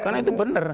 karena itu benar